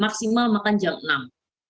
maksimal makan jam enam